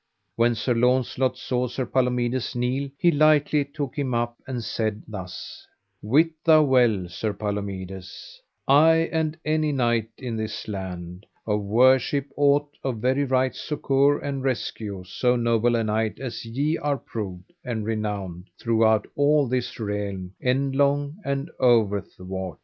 When Sir Launcelot saw Sir Palomides kneel he lightly took him up and said thus: Wit thou well, Sir Palomides, I and any knight in this land, of worship ought of very right succour and rescue so noble a knight as ye are proved and renowned, throughout all this realm endlong and overthwart.